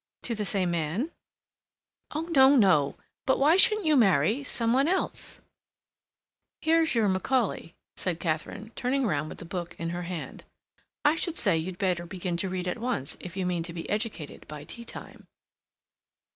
"To the same man?" "Oh, no, no. But why shouldn't you marry—some one else?" "Here's your Macaulay," said Katharine, turning round with the book in her hand. "I should say you'd better begin to read at once if you mean to be educated by tea time."